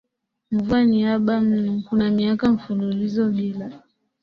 Mvua ni haba mno kuna miaka mfululizo bila